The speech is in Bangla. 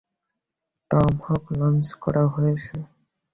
টমহক লঞ্চ করা হয়েছে।